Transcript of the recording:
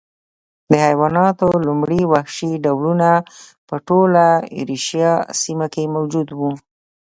د حیواناتو لومړي وحشي ډولونه په ټوله ایرویشیا سیمه کې موجود و